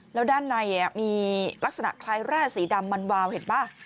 แล้วด้านในมีลักษณะคล้ายแร่สีดำมันวาวเห็นป่ะ